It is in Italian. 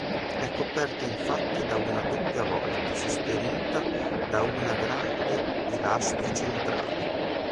È coperta infatti da una doppia volta, sostenuta da un grande pilastro centrale.